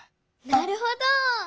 なるほど！